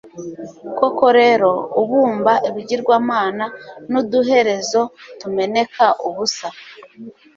koko rero, ubumba ibigirwamana n'uduherezo tumeneka ubusa